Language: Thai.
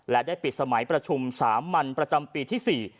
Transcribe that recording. และได้ปิดสมัยประชุมสามัญประจำปีที่๔